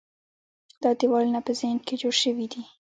دا دیوالونه په ذهن کې جوړ شوي دي.